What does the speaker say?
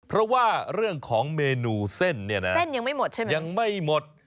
เพราะว่าเรื่องของเมนูเส้นเนี่ยนะเส้นยังไม่หมดใช่ไหมยังไม่หมด